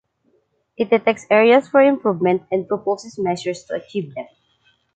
It detects areas for improvement and proposes measures to achieve them.